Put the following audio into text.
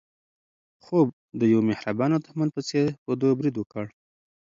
خوب د یو مهربانه دښمن په څېر په ده برید وکړ.